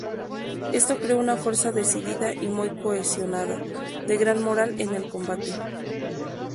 Esto creó una fuerza decidida y muy cohesionada, de gran moral en el combate.